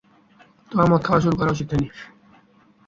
তোমার মদ খাওয়া শুরু করা উচিত হয়নি।